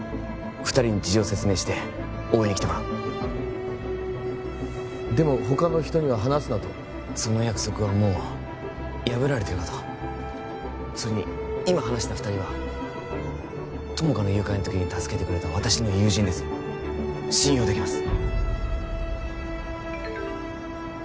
二人に事情説明して応援に来てもらおうでも他の人には話すなとその約束はもう破られているかとそれに今話した二人は友果の誘拐の時に助けてくれた私の友人です信用できます